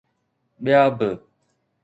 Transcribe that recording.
ٻيا به.